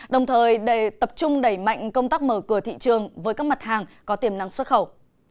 đồng thời để tập trung đẩy mạnh công tác mở cửa thị trường với các mặt hàng có tiềm năng xuất khẩu